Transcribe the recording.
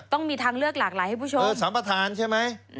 ต้องมีทางเลือกหลากหลายให้ผู้ชมเออสัมประธานใช่ไหม